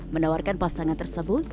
menawarkan pasangan tersebut